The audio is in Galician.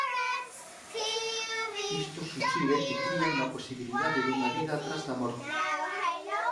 Isto suxire que crían na posibilidade dunha vida tras da morte.